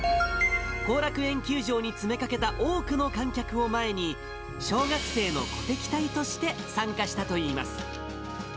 後楽園球場に詰めかけた多くの観客を前に、小学生の鼓笛隊として参加したといいます。